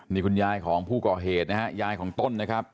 นี่คุณยายของผู้ก่อเหตุนะฮะยายของต้นนะครับ